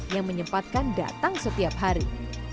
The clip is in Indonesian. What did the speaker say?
yang menyempatkan datang setiap hari